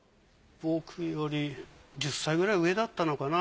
僕より１０歳くらい上だったのかな。